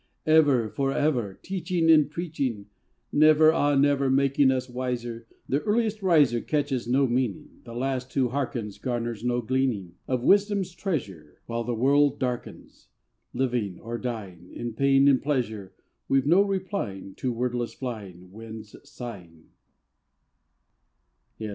Ever, for ever Teaching and preaching, Never, ah never Making us wiser — The earliest riser Catches no meaning, The last who hearkens Garners no gleaning Of wisdom's treasure, While the world darkens :— Living or dying, In pain, in pleasure, We've no replying To wordless flying Wind's sighing.